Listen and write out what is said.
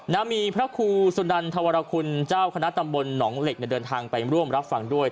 นะมีพระครูสุนันธวรคุณเจ้าคณะตำบลหนองเหล็กเดินทางไปร่วมรับฟังด้วย